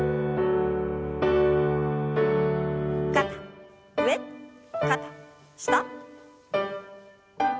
肩上肩下。